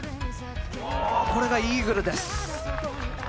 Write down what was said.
これがイーグルです。